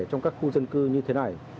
trong các khu dân cư như thế này